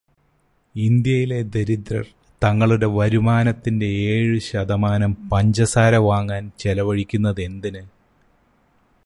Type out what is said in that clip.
ഇന്ത്യയിലെ ദരിദ്രർ തങ്ങളുടെ വരുമാനത്തിന്റെ ഏഴു ശതമാനം പഞ്ചസാര വാങ്ങാൻ ചെലവഴിക്കുന്നതെന്തിന്?